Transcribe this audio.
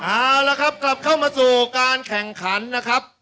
เอาละครับกลับเข้ามาสู่การแข่งขันนะครับ